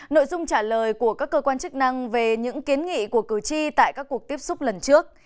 nội dung trả lời của các cơ quan chức năng về những kiến nghị của cử tri tại các cuộc tiếp xúc lần trước